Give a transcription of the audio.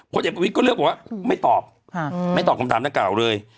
เด็กประวิทย์ก็เลือกบอกว่าไม่ตอบไม่ตอบคำถามดังกล่าวเลย